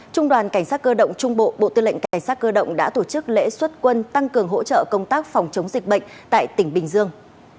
trung đoàn cảnh sát cơ động trung bộ bộ tư lệnh cảnh sát cơ động đã tổ chức lễ xuất quân tăng cường hỗ trợ công tác phòng chống dịch bệnh tại tỉnh bình dương